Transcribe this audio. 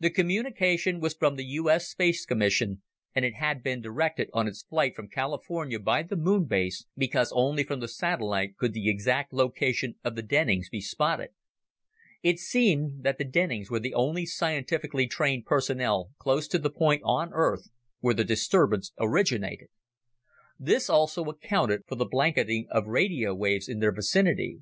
The communication was from the U.S. Space Commission and it had been directed on its flight from California by the Moon Base, because only from the satellite could the exact location of the Dennings be spotted. It seemed that the Dennings were the only scientifically trained personnel close to the point on Earth where the disturbance originated. This also accounted for the blanketing of radio waves in their vicinity.